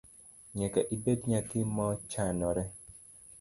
Nyaka ibed nyathi mo chanore.